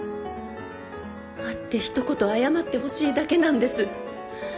会って一言謝ってほしいだけなんです